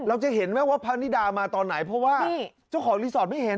เราจะเห็นไหมว่าพระนิดามาตอนไหนเพราะว่าเจ้าของรีสอร์ทไม่เห็น